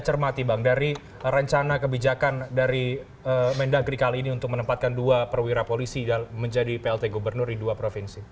cermati bang dari rencana kebijakan dari mendagri kali ini untuk menempatkan dua perwira polisi menjadi plt gubernur di dua provinsi